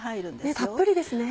たっぷりですね。